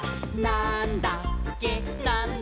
なんだっけ？！」